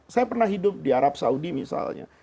mana hidup di arab saudi misalnya